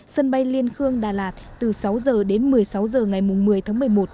sân bay liên khương đà lạt từ sáu h đến một mươi sáu h ngày một mươi tháng một mươi một